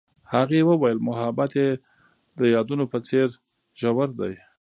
هغې وویل محبت یې د یادونه په څېر ژور دی.